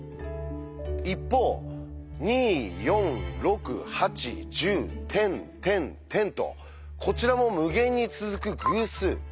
一方２４６８１０てんてんてんとこちらも無限に続く偶数。